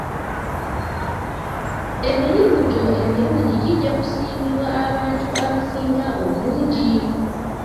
Emirimu gyo emirungi gijja kusiimibwa abantu abasinga obungi.